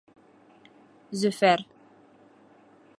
Зөфәр: